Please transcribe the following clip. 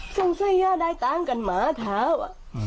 สังเจ้าได้ตังค์กับหมาแถว